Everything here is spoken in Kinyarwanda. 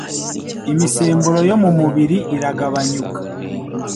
imisemburo yo mu mubiri iragabanyuka.